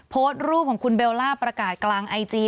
โพสต์รูปของคุณเบลล่าประกาศกลางไอจี